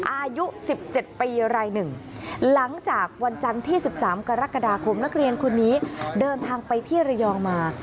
อายุ๑๗ปีรายหนึ่งหลังจากวันจันทร์ที่๑๓กรกฎาคมนักเรียนคนนี้เดินทางไปที่ระยองมา